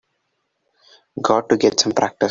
Got to get some practice.